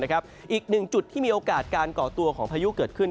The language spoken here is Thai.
อีกหนึ่งจุดที่มีโอกาสการก่อตัวของพายุเกิดขึ้น